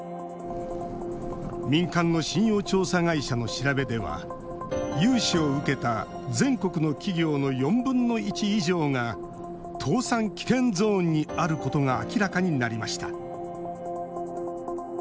民間の信用調査会社の調べでは融資を受けた全国の企業の４分の１以上が倒産危険ゾーンにあることが明らかになりました。